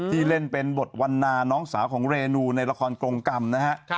ที่เล่นเป็นบทวันนาน้องสาวของเรนูในละครกรงกรรมนะฮะ